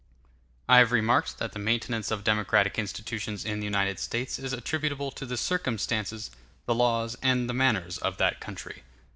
I have remarked that the maintenance of democratic institutions in the United States is attributable to the circumstances, the laws, and the manners of that country.